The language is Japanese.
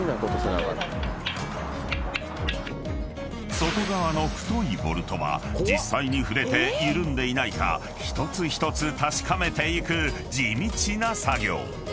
［外側の太いボルトは実際に触れて緩んでいないか一つ一つ確かめていく地道な作業］